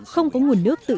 không có nguồn nước tự tử